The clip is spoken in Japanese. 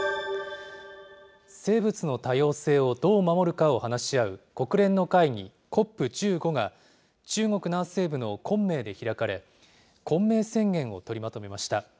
生物の多様性をどう守るかを話し合う国連の会議、ＣＯＰ１５が、中国南西部の昆明で開かれ、昆明宣言を取りまとめました。